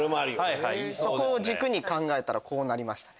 そこを軸に考えたらこうなりましたね。